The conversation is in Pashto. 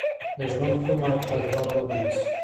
د ژوند کوم اړخ باید غوره وګڼل سي؟